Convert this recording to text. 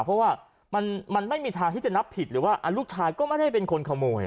เพราะว่ามันไม่มีทางที่จะนับผิดหรือว่าลูกชายก็ไม่ได้เป็นคนขโมย